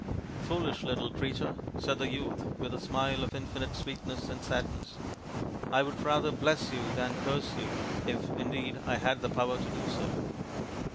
" Foolish little creature," said the youth, with a smile of infinite sweetness and sadness. " I would rather bless you than curse you, if, indeed, I had the power to do so."